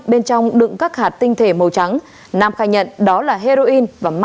bên trong đựng các hạt tinh thể màu trắng nam khai nhận đó là heroin và ma tuy đá